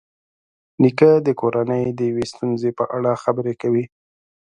نیکه د کورنۍ د یوې ستونزې په اړه خبرې کوي.